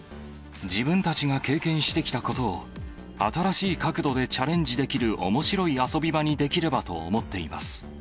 自分たちが経験してきたことを、新しい角度でチャレンジできるおもしろい遊び場にできればと思っています。